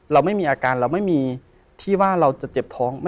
เราไม่มีอาการเราไม่มีที่ว่าเราจะเจ็บท้อง